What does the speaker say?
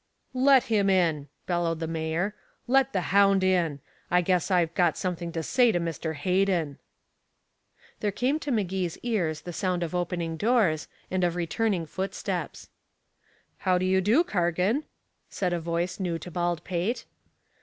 "Let him in," bellowed the mayor. "Let the hound in. I guess I've got something to say to Mr. Hayden." There came to Magee's ears the sound of opening doors, and of returning footsteps. "How do you do, Cargan," said a voice new to Baldpate.